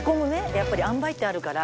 やっぱりあんばいってあるから。